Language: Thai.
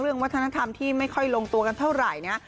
วัฒนธรรมที่ไม่ค่อยลงตัวกันเท่าไหร่นะ